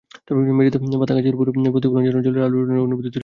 মেঝেতে পাতা কাচের ওপর আলোর প্রতিফলন যেন জলের আলোড়নের অনুভূতি তৈরি করছিল।